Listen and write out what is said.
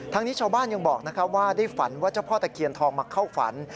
นี้ชาวบ้านยังบอกว่าได้ฝันว่าเจ้าพ่อตะเคียนทองมาเข้าฝัน